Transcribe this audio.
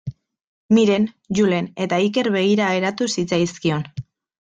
Miren, Julen eta Iker begira geratu zitzaizkion.